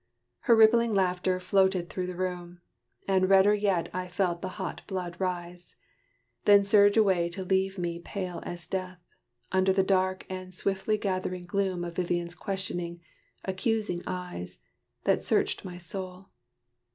Her rippling laughter floated through the room, And redder yet I felt the hot blood rise, Then surge away to leave me pale as death, Under the dark and swiftly gathering gloom Of Vivian's questioning, accusing eyes, That searched my soul.